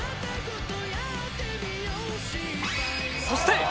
そして。